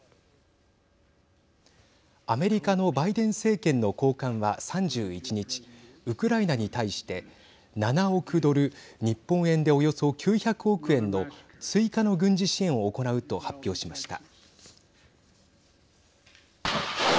アメリカのバイデン政権の高官は３１日、ウクライナに対して７億ドル日本円で、およそ９００億円の追加の軍事支援を行うと発表しました。